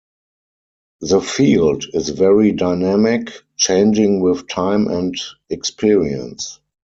The "field" is very dynamic, changing with time and experience.